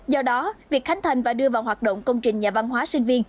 do đó việc khánh thành và đưa vào hoạt động công trình nhà văn hóa sinh viên